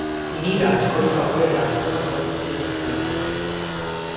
তিনি রাজকোট শহরের রাজকুমার কলেজ থেকে শিক্ষালাভ করেন।